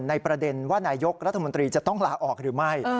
ประเด็นว่านายกรัฐมนตรีจะต้องลาออกหรือไม่